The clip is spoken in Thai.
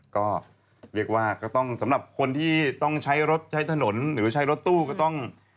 ก็เรียกว่าก็ต้องสำหรับคนที่ต้องใช้รถใช้ถนนหรือใช้รถตู้ก็ต้อง